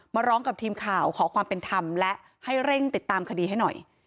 ร้องกับทีมข่าวขอความเป็นธรรมและให้เร่งติดตามคดีให้หน่อย